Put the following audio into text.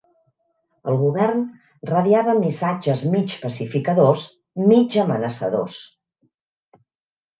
El Govern radiava missatges mig pacificadors mig amenaçadors